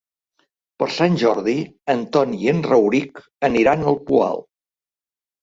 Per Sant Jordi en Ton i en Rauric aniran al Poal.